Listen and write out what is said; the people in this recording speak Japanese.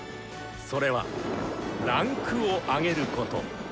それは「位階を上げる」こと。